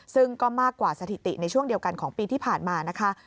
ซึ่งก็มากกว่าสถิติในช่วงเดียวกันของปีที่ผ่านมานะคะ